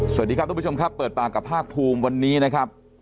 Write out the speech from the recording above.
สวัสดีครับทุกผู้ชมครับเปิดปากกับภาคภูมิวันนี้นะครับ